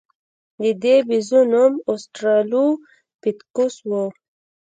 د دې بیزو نوم اوسترالوپیتکوس و.